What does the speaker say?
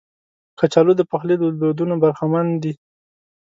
کچالو د پخلي له دودونو برخمن دي